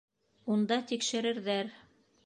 Унда тикшерерҙәр.